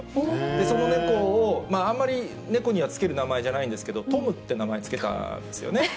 その猫を、あんまり猫には付ける名前じゃないんですけど、トムって名前付けたんですよね。